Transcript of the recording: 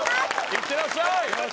いってらっしゃい！